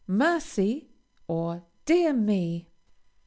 "Mercy!" or "Dear me!"